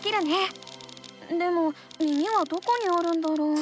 でも耳はどこにあるんだろう？